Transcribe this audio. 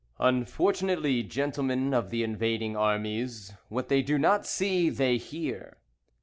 Unfortunately, Gentlemen of the Invading Armies, what they do not see, they hear.